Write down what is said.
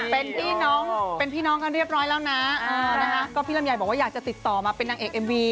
เป็นพี่น้องเป็นพี่น้องกันเรียบร้อยแล้วนะก็พี่ลำไยบอกว่าอยากจะติดต่อมาเป็นนางเอกเอ็มวี